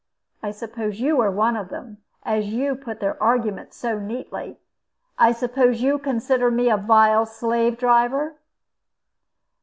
I suppose you are one of them, as you put their arguments so neatly. I suppose you consider me a vile slave driver?"